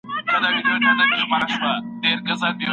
د موادو سم تنظیم د څېړني بنسټ جوړوي.